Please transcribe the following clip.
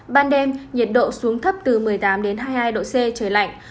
ban đêm nhiệt độ xuống thấp từ một mươi tám đến hai mươi hai độ c trời lạnh